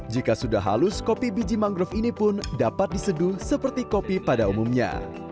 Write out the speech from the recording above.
jika sudah halus kopi biji mangrove ini pun dapat diseduh seperti kopi pada umumnya